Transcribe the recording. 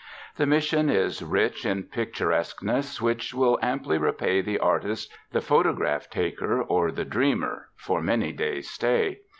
The Mission is rich in picturesqueness which will amply repay the artist, the photograph taker or the dreamer, for many days' stay.